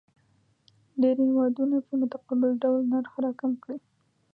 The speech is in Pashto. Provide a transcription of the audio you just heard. ډېری هیوادونه په متقابل ډول نرخ راکم کړي.